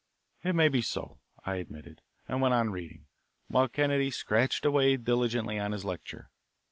"It may be so;" I admitted, and went on reading, while Kennedy scratched away diligently on his lecture.